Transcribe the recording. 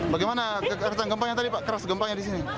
bagaimana kekerasan gempanya tadi pak keras gempanya di sini